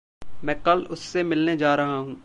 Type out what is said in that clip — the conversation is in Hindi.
मैं कल उससे मिलने जा रहा हूँ।